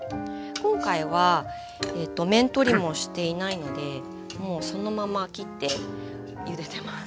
今回は面取りもしていないのでもうそのまま切ってゆでてます。